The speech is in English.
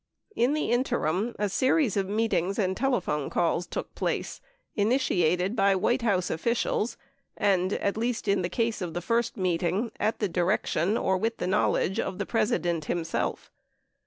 In the interim, a series of meet ings and telephone calls took place, initiated by White House officials and, at least in the case of the first meeting, at the direction or with the knowledge of the President, himself.